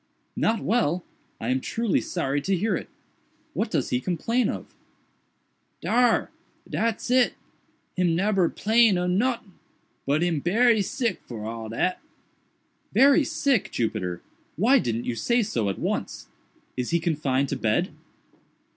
"Not well! I am truly sorry to hear it. What does he complain of?" "Dar! dat's it!—him neber 'plain of notin'—but him berry sick for all dat." "Very sick, Jupiter!—why didn't you say so at once? Is he confined to bed?"